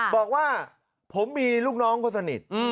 บอกว่าผมมีลูกน้องคนสนิท